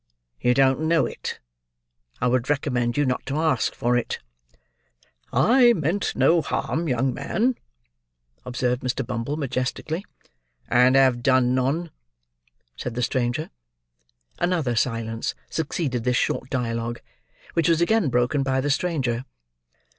You don't know it. I would recommend you not to ask for it." "I meant no harm, young man," observed Mr. Bumble, majestically. "And have done none," said the stranger. Another silence succeeded this short dialogue: which was again broken by the stranger.